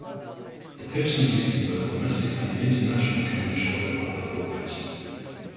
The pips are used in both domestic and international commercial and public broadcasting.